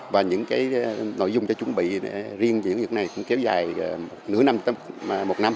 và những cái nội dung cho chuẩn bị riêng những việc này cũng kéo dài nửa năm một năm